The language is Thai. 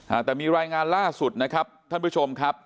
อ่าแต่มีรายงานล่าสุดนะครับท่านผู้ชมครับ